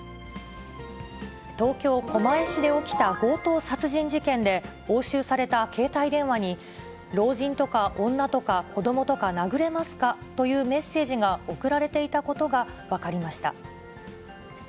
東京・狛江市で起きた強盗殺人事件で、押収された携帯電話に、老人とか女とか子どもとか殴れますかというメッセージが送られていたことが分かりました。